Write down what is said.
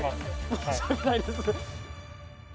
申し訳ないです。